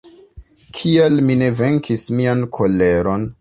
Kial mi ne venkis mian koleron?